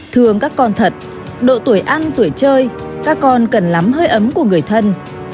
thường các con thật độ tuổi ăn tuổi chơi các con cần lắm hơi ấm của người thân